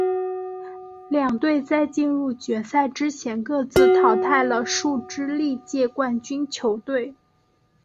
两队在进入决赛之前各自淘汰了数支历届冠军球队。